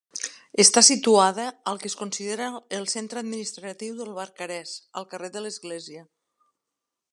Està situada al que es considera el centre administratiu del Barcarès, al carrer de l'Església.